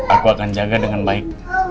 aku akan jaga dengan baik